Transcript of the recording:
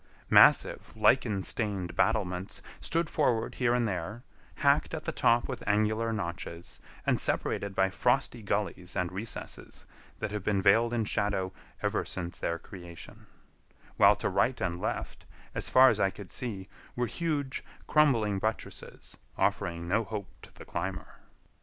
Massive lichen stained battlements stood forward here and there, hacked at the top with angular notches, and separated by frosty gullies and recesses that have been veiled in shadow ever since their creation; while to right and left, as far as I could see, were huge, crumbling buttresses, offering no hope to the climber.